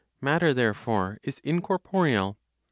Matter, therefore, is incorporeal.